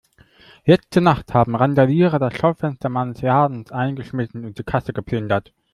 Letzte Nacht haben Randalierer das Schaufenster meines Ladens eingeschmissen und die Kasse geplündert.